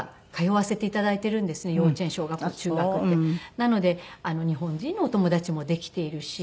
なので日本人のお友達もできているし。